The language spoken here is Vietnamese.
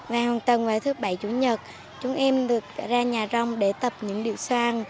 vào hòn tầng vào thứ bảy chủ nhật chúng em được ra nhà rong để tập những điệu soan